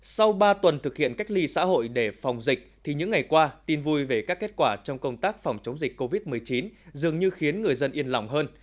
sau ba tuần thực hiện cách ly xã hội để phòng dịch thì những ngày qua tin vui về các kết quả trong công tác phòng chống dịch covid một mươi chín dường như khiến người dân yên lòng hơn